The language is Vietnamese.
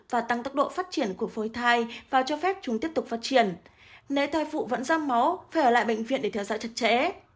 và tăng tốc độ phát triển của phôi thai và cho phép chúng tiếp tục phát triển nếu thai phụ vẫn răm máu phải ở lại bệnh viện để theo dõi chặt chẽ